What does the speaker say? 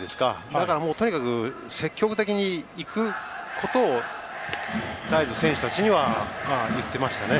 だから、とにかく積極的に行くことを選手たちには言っていましたね。